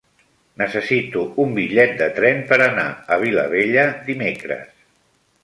Necessito un bitllet de tren per anar a Vilabella dimecres.